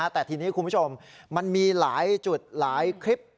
แต่ทีนี้คุณผู้ชมมันมีหลายจุดหลายคลิป